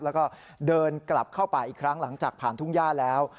แล้วก็เดินกลับเข้าป่าอีกครั้งหลังจากผ่านทุ่งย่าแล้ว